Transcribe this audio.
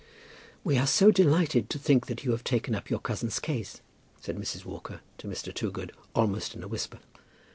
"We are so delighted to think that you have taken up your cousin's case," said Mrs. Walker to Mr. Toogood, almost in a whisper.